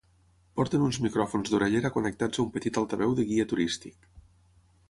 Porten uns micròfons d'orellera connectats a un petit altaveu de guia turístic.